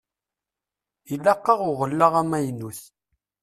Ilaq-aɣ uɣella amaynut.